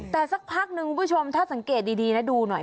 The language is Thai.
แต่สักพักนึงคุณผู้ชมถ้าสังเกตดีนะดูหน่อย